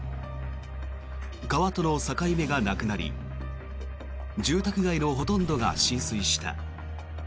川との境目がなくなり住宅街のほとんどが浸水した。